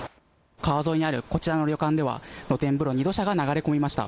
川沿いあるこちらの旅館では露天風呂に土砂が流れ込みました。